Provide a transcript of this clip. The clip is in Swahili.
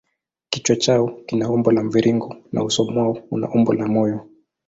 Kichwa chao kina umbo la mviringo na uso mwao una umbo la moyo.